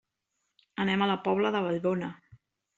Anem a la Pobla de Vallbona.